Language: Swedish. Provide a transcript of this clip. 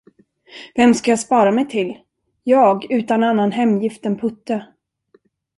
Vem skall jag spara mig till, jag utan annan hemgift än Putte?